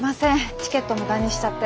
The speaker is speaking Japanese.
チケット無駄にしちゃって。